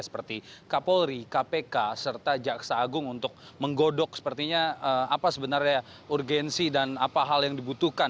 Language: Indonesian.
seperti kapolri kpk serta jaksa agung untuk menggodok sepertinya apa sebenarnya urgensi dan apa hal yang dibutuhkan